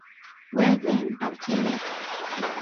Well then, I’ll tell it.